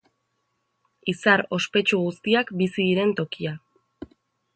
Izar ospetsu guztiak bizi diren tokia.